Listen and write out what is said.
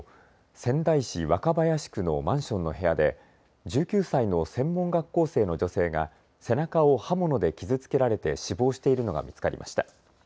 仙台市若林区のマンションの部屋で１９歳の専門学校生の女性が背中を刃物で傷つけられて死亡しているのが見つかりました。